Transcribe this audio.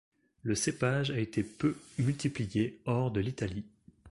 Le cépage a été peu multiplié hors de l’Italie.